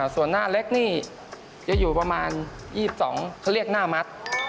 ส่วนหน้าเล็กนี่จะอยู่ประมาณ๒๒เขาเรียกหน้ามัด